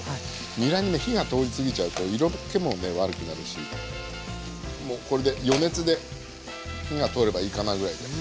にらにね火が通り過ぎちゃうと色けもね悪くなるしもうこれで余熱で火が通ればいいかなぐらいで。